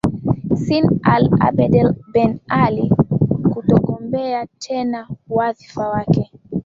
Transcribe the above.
sin ali abadel ben ali kutogombea tena wadhifa wake